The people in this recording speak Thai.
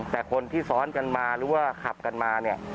แต่คนที่ซ้อนกันมาหรือว่าขับกันมาเนี่ย